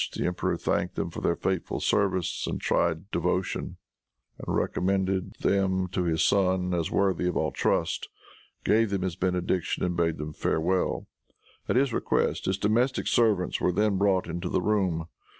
The emperor thanked them for their faithful services and tried devotion, and recommended them to his son as worthy of all trust, gave them his benediction and bade them farewell. At his request his domestic servants were then brought into the room.